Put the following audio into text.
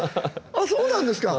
あそうなんですか。